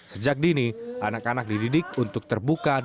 sejak dini anak anak dididik untuk terbuka dan